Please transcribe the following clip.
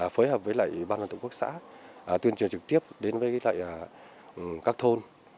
phối hợp với ban đoàn tổ quốc xã tuyên truyền trực tiếp đến các thôn